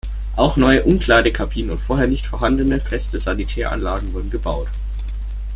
Auch neue Umkleidekabinen und vorher nicht vorhandene, feste Sanitäranlagen wurden gebaut.